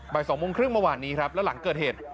๒โมงครึ่งเมื่อวานนี้ครับแล้วหลังเกิดเหตุ